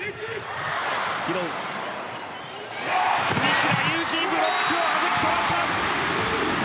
西田有志ブロックをはじき飛ばします。